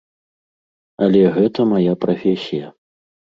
Але гэта мая прафесія.